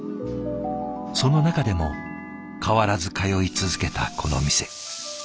その中でも変わらず通い続けたこの店。